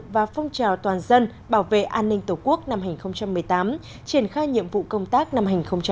và phong trào toàn dân bảo vệ an ninh tổ quốc năm hai nghìn một mươi tám triển khai nhiệm vụ công tác năm hai nghìn một mươi chín